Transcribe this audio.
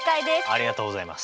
ありがとうございます。